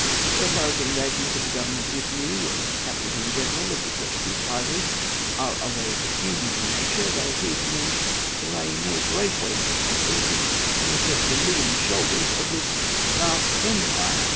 So far as the engagements of the Government with me, or with the captors in general of the Portuguese prizes, are of a pecuniary nature, they appear to me to lay no great weight of responsibility on the herculean shoulders of this vast empire.